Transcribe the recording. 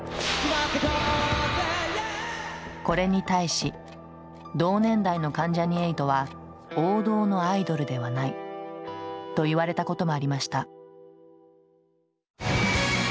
これに対し同年代の関ジャニ∞は「王道のアイドルではない」と言われたこともありました。